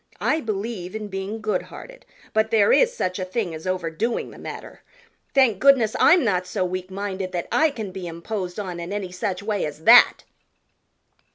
I believe in being goodhearted, but there is such a thing as overdoing the matter. Thank goodness I'm not so weak minded that I can be imposed on in any such way as that."